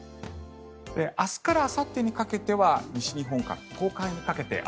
明日からあさってにかけては西日本から東海にかけて雨。